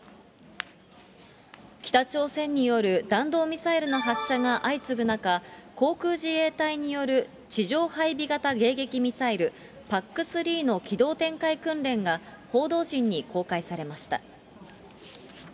北朝鮮による弾道ミサイルの発射が相次ぐ中、航空自衛隊による地上配備型迎撃ミサイル、ＰＡＣ３の機動展開訓練が、報道陣に公開されました。